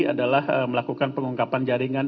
adalah melakukan pengungkapan jaringan